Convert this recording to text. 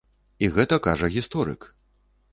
І гэта кажа гісторык.